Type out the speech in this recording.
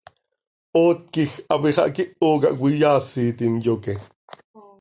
Oot quij hapi xah quiho cah cöitaasitim, yoque.